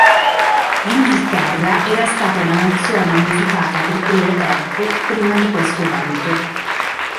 L'Inghilterra era stata una nazione unificata per breve tempo prima di questo evento.